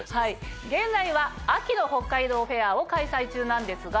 現在は秋の北海道フェアを開催中なんですが。